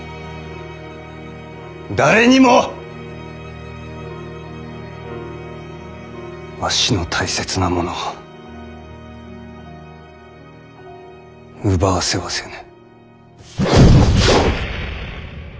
誰にもわしの大切なものを奪わせはせぬ。